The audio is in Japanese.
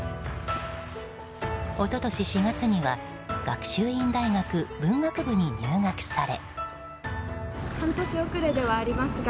一昨年４月には学習院大学文学部に入学され。